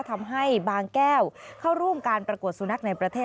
ทำให้บางแก้วเข้าร่วมการประกวดสุนัขในประเทศ